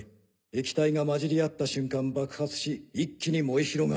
液体が混じり合った瞬間爆発し一気に燃え広がる。